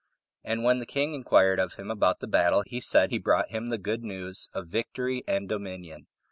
And when the king inquired of him about the battle, he said he brought him the good news of victory and dominion.